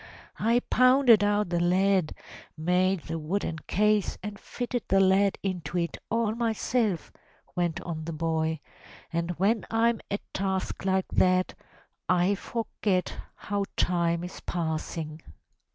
"I pounded out the lead, made the wooden case and fitted the lead into it all myself," went on the boy, "and when I'm at tasks like that I forget how time is passing."